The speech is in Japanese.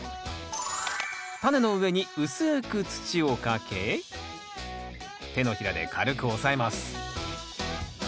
タネの上に薄く土をかけ手のひらで軽く押さえます。